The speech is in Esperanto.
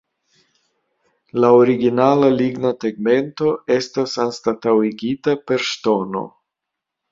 La originala ligna tegmento estas anstataŭigita per ŝtono.